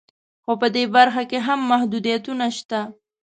خو په دې برخه کې هم محدودیتونه شته